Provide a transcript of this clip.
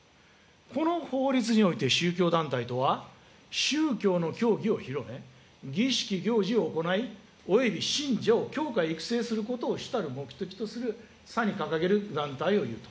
この法律において、宗教団体とは、宗教の教義を広め、儀式行事を行い、および信者を教化育成することを主たる目的とする左に掲げる団体を言うと。